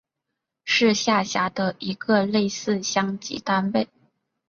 是下辖的一个类似乡级单位。